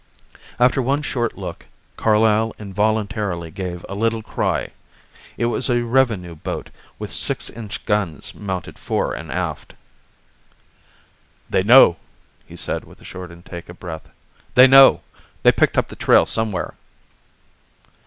After one short look Carlyle involuntarily gave a little cry. It was a revenue boat with six inch guns mounted fore and aft. "They know!" he said with a short intake of breath. "They know! They picked up the trail somewhere."